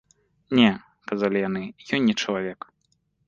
Не, казалі яны, ён не чалавек.